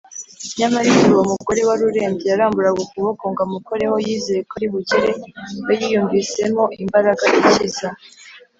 nyamara igihe uwo mugore wari urembye yaramburaga ukuboko ngo amukoreho yizeye ko ari bukire, we yiyumvisemo imbaraga ikiza